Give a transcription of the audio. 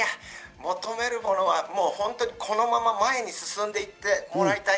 求めるものは本当にこのまま前に進んでいってもらいたい。